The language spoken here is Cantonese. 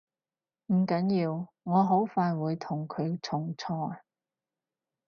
唔緊要，我好快會同佢重賽